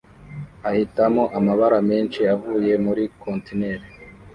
ahitamo amabara menshi avuye muri kontineri